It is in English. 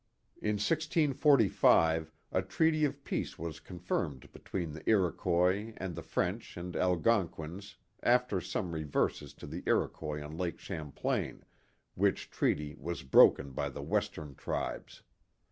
In 1645 a treaty of peace was confirmed between the Iro quois and the French and Algonquins after some reverses to the Iroquois on Lake Champlain, which treaty was broken by the western tribes.